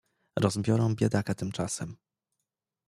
"Rozbiorę biedaka tymczasem!"